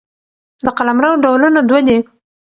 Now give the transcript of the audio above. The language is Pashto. د قلمرو ډولونه دوه دي.